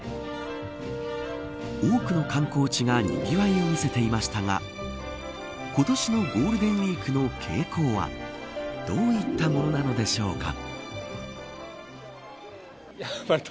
多くの観光地がにぎわいを見せていましたが今年のゴールデンウイークの傾向はどういったものなのでしょうか。